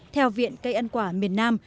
theo viện cây ăn quả miền nam